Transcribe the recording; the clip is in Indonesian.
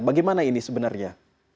bagaimana ini sebenarnya